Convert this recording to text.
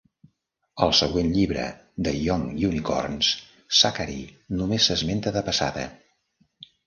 Al següent llibre, "The Young Unicorns", Zachary només s'esmenta de passada.